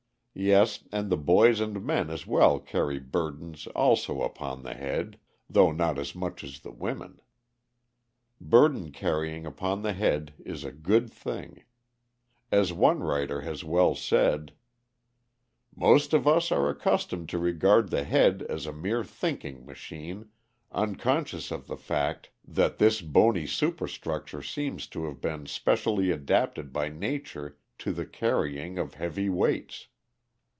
Yes, and the boys and men as well carry burdens also upon the head, though not as much as the women. Burden carrying upon the head is a good thing. As one writer has well said: "Most of us are accustomed to regard the head as a mere thinking machine, unconscious of the fact that this bony superstructure seems to have been specially adapted by Nature to the carrying of heavy weights.